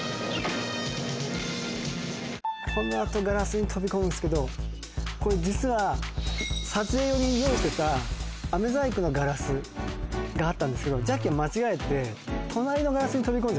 このあとガラスに飛び込むんですけどこれ実は撮影用に用意してたアメ細工のガラスがあったんですけどジャッキーは間違えて隣のガラスに飛び込んじゃって